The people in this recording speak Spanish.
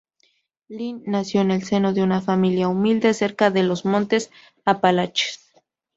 Lynn nació en el seno de una familia humilde, cerca de los montes Apalaches.